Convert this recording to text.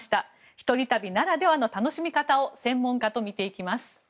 一人旅ならではの楽しみ方を専門家と見ていきます。